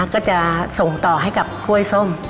ก็จะส่งต่อให้กับกล้วยส้ม